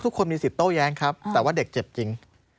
คนมีสิทธิโต้แย้งครับแต่ว่าเด็กเจ็บจริง